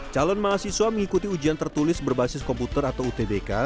calon mahasiswa mengikuti ujian tertulis berbasis komputer atau utbk